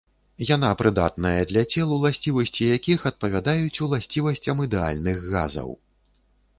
Яна прыдатная для цел, уласцівасці якіх адпавядаюць уласцівасцям ідэальных газаў.